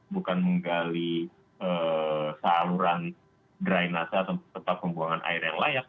bukan menggali saluran dry nasa atau tetap pembuangan air yang layak